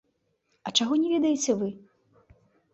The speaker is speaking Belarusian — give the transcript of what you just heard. А чаго не ведаеце вы?